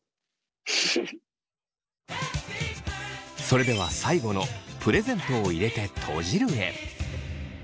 それでは最後のプレゼントを入れて閉じるへ。